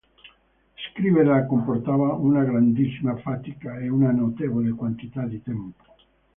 Scrivere le comportava una grandissima fatica e una notevole quantità di tempo.